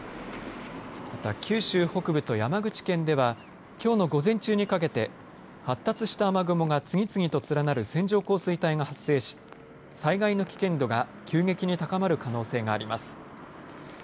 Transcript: また、九州北部と山口県ではきょうの午前中にかけて発達した雨雲が次々と連なる線状降水帯が発生し災害の危険度が急激に高まる可能性があります。